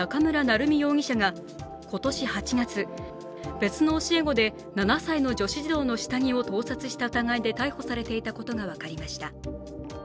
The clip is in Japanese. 別の教え子で７歳の女子児童の下着を盗撮した疑いで逮捕されていたことが分かりました。